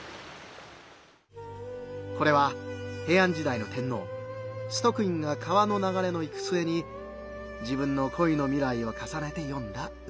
これは平安時代の天皇崇徳院が川のながれの行く末に自分のこいの未来をかさねてよんだ歌。